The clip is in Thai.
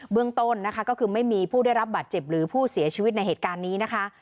เรื่องต้นนะคะก็คือไม่มีผู้ได้รับบาดเจ็บหรือผู้เสียชีวิตในเหตุการณ์นี้นะคะ